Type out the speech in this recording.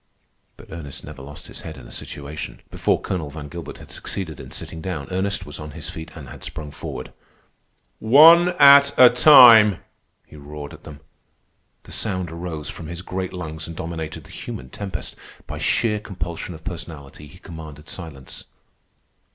But Ernest never lost his head in a situation. Before Colonel Van Gilbert had succeeded in sitting down, Ernest was on his feet and had sprung forward. "One at a time!" he roared at them. The sound arose from his great lungs and dominated the human tempest. By sheer compulsion of personality he commanded silence.